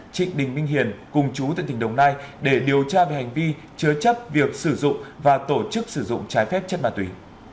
trịnh đình minh hiền cùng chú tại tỉnh đồng nai để điều tra về hành vi chứa chấp việc sử dụng và tổ chức sử dụng trái phép chất ma túy